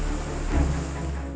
dinda subang lara